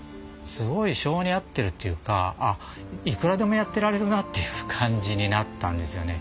すごい性に合ってるっていうかいくらでもやってられるなっていう感じになったんですよね。